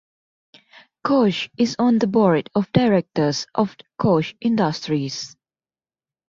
Koch is on the board of directors of Koch Industries.